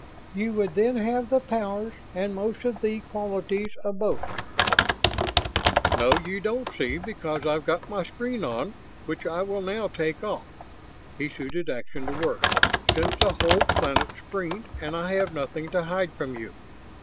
You would then have the powers and most of the qualities of both ..." "No, you don't see, because I've got my screen on. Which I will now take off " he suited action to word "since the whole planet's screened and I have nothing to hide from you.